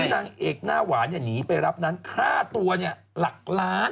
นางเอกหน้าหวานหนีไปรับนั้นค่าตัวหลักล้าน